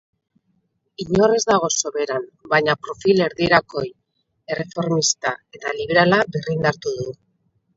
Inor ez dago soberan, baina profil erdirakoi-erreformista eta liberala berrindartu du.